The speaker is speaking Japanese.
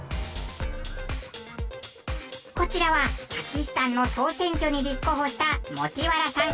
こちらはパキスタンの総選挙に立候補したモティワラさん。